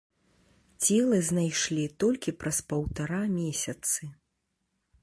Целы знайшлі толькі праз паўтара месяцы.